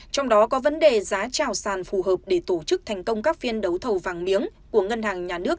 trong đó có vấn đề giá trào sàn phù hợp để tổ chức thành công các phiên đấu thầu vàng miếng của ngân hàng nhà nước